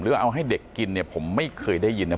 หรือว่าเอาให้เด็กกินเนี้ยผมไม่เคยได้ยินเนี้ย